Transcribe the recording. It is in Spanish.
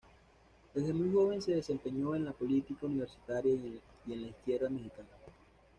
Desde muy joven se desempeñó en la política universitaria y en la izquierda mexicana.